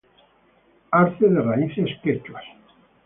Arce de raíces quechuas.